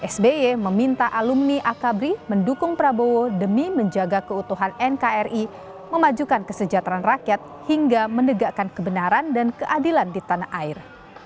sby meminta alumni akabri mendukung prabowo demi menjaga keutuhan nkri memajukan kesejahteraan rakyat hingga menegakkan kebenaran dan keadilan di tanah air